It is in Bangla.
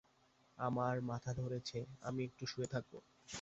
আমার মাথা ধরেছে, আমি একটু শুয়ে থাকব।